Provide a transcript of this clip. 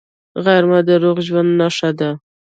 غرمه د روغ ژوند نښه ده